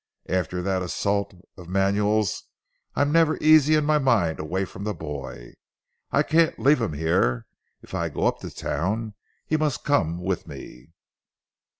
After that assault of Manuel's I'm never easy in my mind away from the boy. I can't leave him here. If I go up to Town he must come with me."